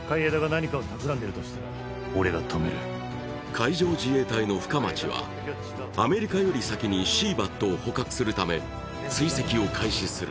海上自衛隊の深町は、アメリカより先に「シーバット」を捕獲するため追跡を開始する。